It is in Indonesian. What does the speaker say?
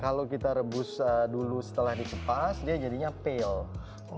kalau kita rebus dulu setelah dikepas dia jadinya pale